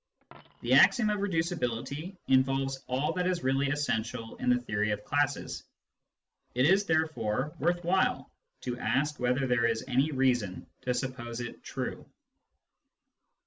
The axiom of reducibility involves all that is really essential in the theory of classes. It is therefore worth while to ask whether there is any reason to suppose it true.